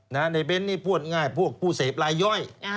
ในเบ้นนี่พูดง่ายพวกผู้เสพลายย่อย